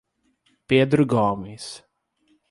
Pedro Gomes